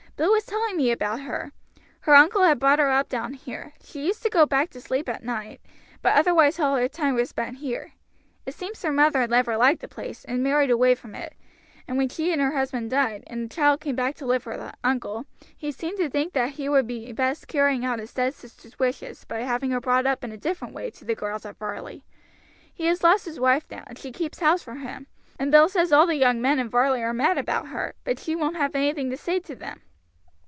"Bill was telling me about her. Her uncle had her brought up down here. She used to go back to sleep at night, but otherwise all her time was spent here. It seems her mother never liked the place, and married away from it, and when she and her husband died and the child came back to live with her uncle he seemed to think he would be best carrying out his dead sister's wishes by having her brought up in a different way to the girls at Varley. He has lost his wife now, and she keeps house for him, and Bill says all the young men in Varley are mad about her, but she won't have anything to say to them."